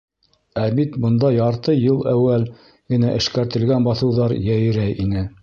Ә бит бында ярты йыл әүәл генә эшкәртелгән баҫыуҙар йәйрәй ине.